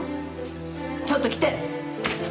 ちょっと来て！